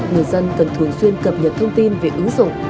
người dân cần thường xuyên cập nhật thông tin về ứng dụng